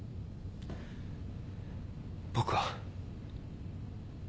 僕は。